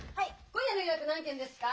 今夜の予約何件ですか？